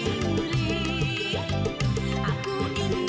aku ini memangnya asik